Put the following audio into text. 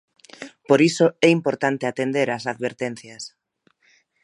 Por iso é importante atender as advertencias...